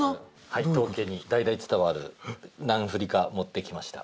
当家に代々伝わる何ふりか持ってきました。